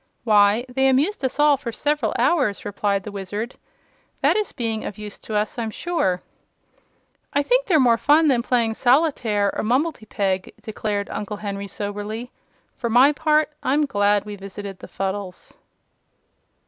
"Why, they amused us all for several hours," replied the Wizard. "That is being of use to us, I'm sure." "I think they're more fun than playing solitaire or mumbletypeg," declared Uncle Henry, soberly. "For my part, I'm glad we visited the Fuddles."